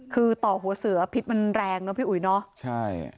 คือต่อหัวเสือพิษมันแรงเนอะพี่อุ๋ยเนอะใช่